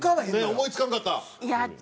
思い付かんかった！